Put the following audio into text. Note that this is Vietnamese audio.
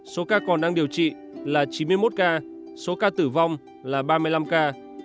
số ca còn đang điều trị là chín mươi một ca số ca tử vong là ba mươi năm ca